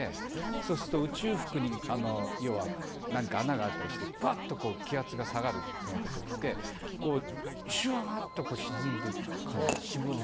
そうすると宇宙服に要は穴があったりしてバット気圧が下がる時ってシュワーッと沈んでいくんです。